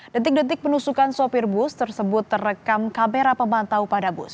detik detik penusukan sopir bus tersebut terekam kamera pemantau pada bus